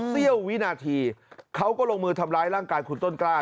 เสี้ยววินาทีเขาก็ลงมือทำร้ายร่างกายคุณต้นกล้า